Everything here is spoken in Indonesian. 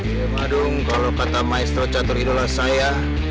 ya madung kalau kata maestro catur idola saya